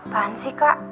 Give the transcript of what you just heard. kapan sih kak